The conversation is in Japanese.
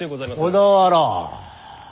小田原？